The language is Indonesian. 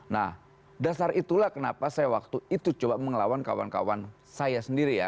nah dasar itulah kenapa saya waktu itu coba mengelawan kawan kawan saya sendiri ya